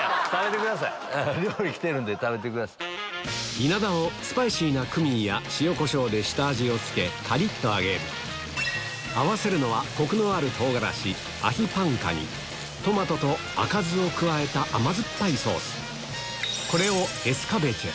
イナダをスパイシーなクミンや塩コショウで下味を付けカリっと揚げる合わせるのはコクのある唐辛子アヒ・パンカにトマトと赤酢を加えた甘酸っぱいソース